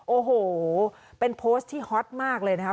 โอ้โหเป็นโพสต์ที่ฮอตมากเลยนะครับ